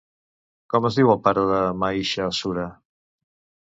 Com es diu el pare de Mahishàsura?